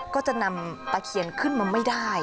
ก็จะนำตะเคียนขึ้นมาไม่ได้